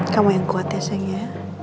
kamu yang kuat ya sayang ya